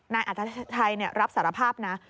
นายอัธชัยรับสารภาพนะ